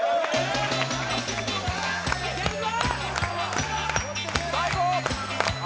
いけるぞ。